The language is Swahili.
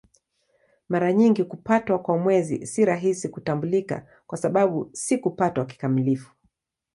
Mara nyingi kupatwa kwa Mwezi si rahisi kutambulika kwa sababu si kupatwa kikamilifu.